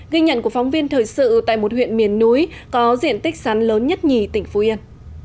ghi nhận của phóng viên thời sự tại một huyện miền núi có diện tích sắn lớn nhất nhì tỉnh phú yên